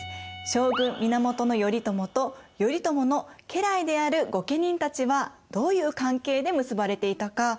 将軍・源頼朝と頼朝の家来である御家人たちはどういう関係で結ばれていたか覚えてますか？